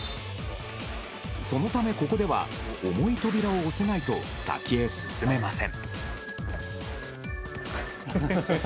そのため、ここでは重い扉を押せないと先へ進めません。